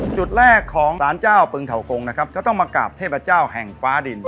จุดแรกของสารเจ้าปึงเถากงนะครับก็ต้องมากราบเทพเจ้าแห่งฟ้าดิน